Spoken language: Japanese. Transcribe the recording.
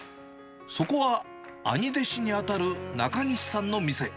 そこは兄弟子に当たる中西さんの店。